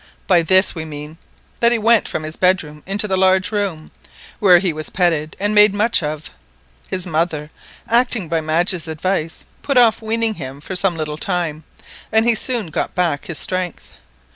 By this we mean that he went from his bedroom into the large room, where he was petted and made much of. His mother, acting by Madge's advice, put off weaning him for some little time, and he soon got back his strength.